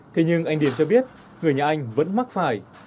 thế nhưng anh điền cho biết người nhà anh vẫn mắc phải